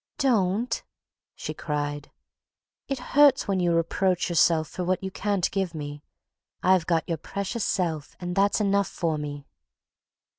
"Don't!" she cried. "It hurts when you reproach yourself for what you can't give me. I've got your precious self—and that's enough for me."